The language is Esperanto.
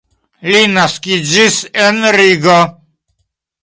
Li naskiĝis en Rigo.